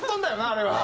あれは。